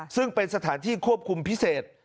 ซึ่งเป็นสถานที่ควบคุมพิเศษ